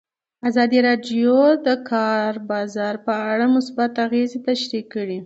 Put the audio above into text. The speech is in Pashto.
ازادي راډیو د د کار بازار په اړه مثبت اغېزې تشریح کړي.